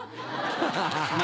ハハハ。